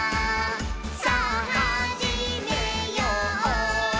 さぁはじめよう」